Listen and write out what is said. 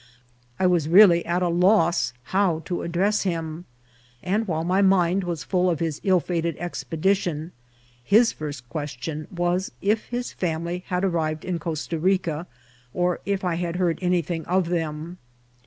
I was really at a loss how to address him ; and while my mind was full of his ill fated expedition, his first question was if his family had arrived in Costa Rica, or if I had heard anything of them.